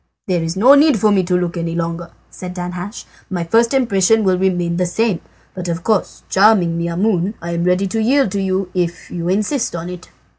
"There is no need for me to look longer," said Danhasch, "my first impression will remain the same; but of course, charming Maimoune, I am ready to yield to you if you insist on it."